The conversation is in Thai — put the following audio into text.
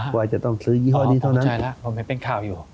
ว่าจะต้องซื้อยี่ห้อนี้เท่านั้นเป็นข่าวอยู่